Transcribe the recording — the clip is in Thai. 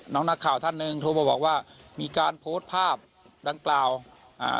น้องนักข่าวท่านหนึ่งโทรมาบอกว่ามีการโพสต์ภาพดังกล่าวอ่า